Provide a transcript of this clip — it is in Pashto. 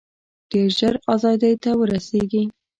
ډېر ژر آزادۍ ته ورسیږي.